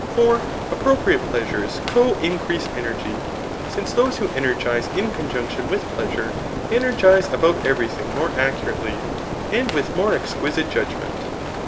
For appropriate pleasures co increase energy ; since those who energize in conjunction with pleasure, ei^i^tze about every thing more accurately, and with more exqui site judgment.